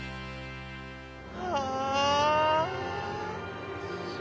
はあ。